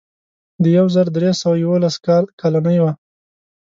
د یو زر درې سوه یوولس کال کالنۍ وه.